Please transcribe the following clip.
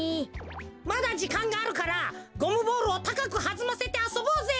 まだじかんがあるからゴムボールをたかくはずませてあそぼうぜ！